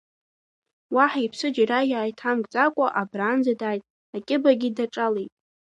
Уаҳа иԥсы џьара иааиҭамкӡакәа, абраанӡа дааит, акьыбагьы даҿалеит.